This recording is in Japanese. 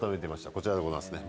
こちらでございますね。